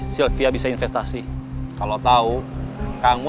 sylvia bisa investasi kalau tahu kamu